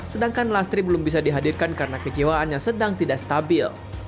sedangkan lastri belum bisa dihadirkan karena kejiwaannya sedang tidak stabil